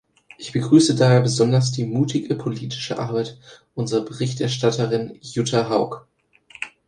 Ich begrüße daher besonders die mutige politische Arbeit unserer Berichterstatterin Jutta Haug.